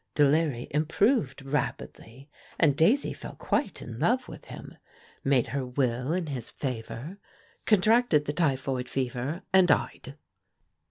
Delury improved rapidly and Daisy fell quite in love with him, made her will in his favor, contracted the typhoid fever and died.